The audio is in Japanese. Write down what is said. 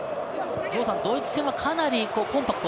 ドイツ戦はかなりコンパクト。